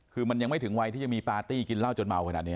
คือมันยังไม่ถึงวัยที่จะมีปาร์ตี้กินเหล้าจนเมาขนาดนี้